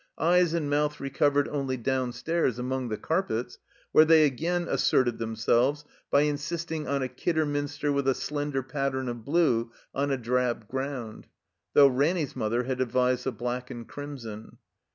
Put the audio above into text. Eyes and mouth recovered only downstairs among the carpets, where they again asserted themselves by insisting on a Kidderminster with a slender pattern of blue on a drab ground; though Ranny's mother had advised the black and crimson.